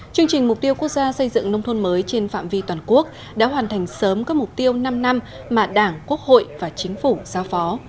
chương trình mục tiêu quốc gia xây dựng nông thôn mới trên phạm vi toàn quốc đã hoàn thành sớm các mục tiêu năm năm mà đảng quốc hội và chính phủ giao phó